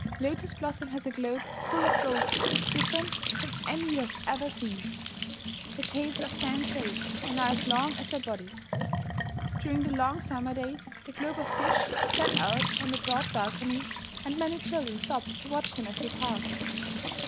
Lotus Blossom has a globe full of gold fish different from any you have ever seen. Their tails are fan shaped, and are as long as their bodies. During the long summer days the globe of fish is set out on the broad balcony, and many children stop to watch them as they pass.